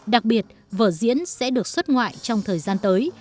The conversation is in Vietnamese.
đặc biệt vở diễn sẽ được xuất ngoại trong thời gian tới